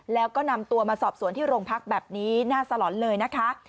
แล้วก็นำตัวมาสอบสวนที่โรงพักแบบนี้น่าสลอนเลยนะคะ